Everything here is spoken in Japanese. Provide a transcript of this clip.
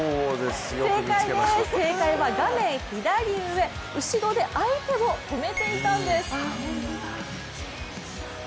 正解です、正解は画面左上、後ろで相手を止めていたんです。